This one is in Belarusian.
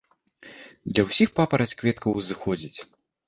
Для ўсіх папараць-кветка ўзыходзіць.